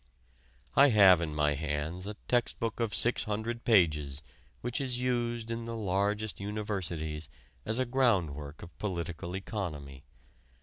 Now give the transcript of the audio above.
I have in my hands a text book of six hundred pages which is used in the largest universities as a groundwork of political economy.